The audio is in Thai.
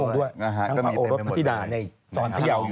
ทางพระองค์รับพระธิดาในซอนเซียว